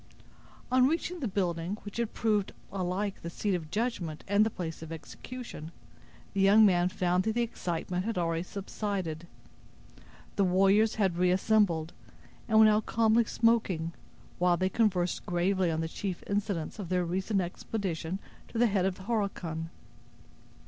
On reaching the building, which had proved alike the seat of judgment and the place of execution, the young man found that the excitement had already subsided. The warriors had reassembled, and were now calmly smoking, while they conversed gravely on the chief incidents of their recent expedition to the head of the Horican.